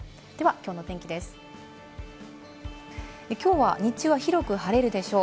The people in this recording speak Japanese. きょうは日中は広く晴れるでしょう。